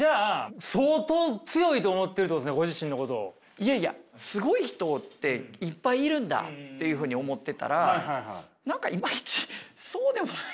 いやいやすごい人っていっぱいいるんだっていうふうに思ってたら何かイマイチそうでもない。